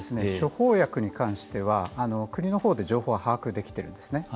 処方薬に関しては国のほうで情報を把握できているんですね。